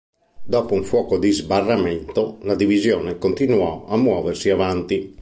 Dopo un fuoco di sbarramento, la divisione continuò a muoversi avanti.